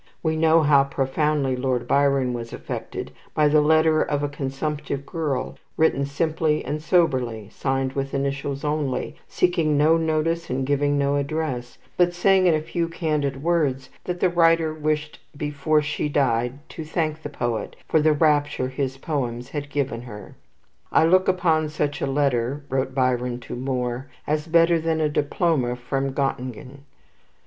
We know how profoundly Lord Byron was affected by the letter of a consumptive girl, written simply and soberly, signed with initials only, seeking no notice and giving no address; but saying in a few candid words that the writer wished before she died to thank the poet for the rapture his poems had given her. "I look upon such a letter," wrote Byron to Moore, "as better than a diploma from Gottingen."